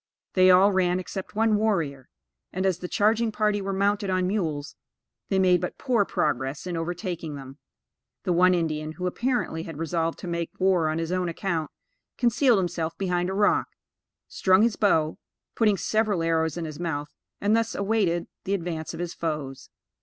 They all ran except one warrior, and as the charging party were mounted on mules, they made but poor progress in overtaking them. The one Indian who, apparently, had resolved to make war on his own account, concealed himself behind a rock, strung his bow, putting several arrows in his mouth, and thus awaited the advance of his foes.